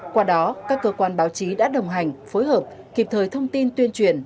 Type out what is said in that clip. qua đó các cơ quan báo chí đã đồng hành phối hợp kịp thời thông tin tuyên truyền